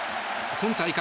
今大会